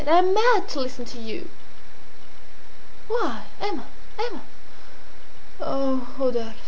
"I am mad to listen to you!" "Why? Emma! Emma!" "Oh, Rodolphe!"